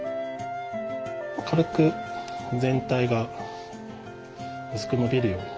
軽く全体がうすくのびるように。